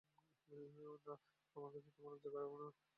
মা, আমার কাছে তোমার লজ্জা খাটিবে না।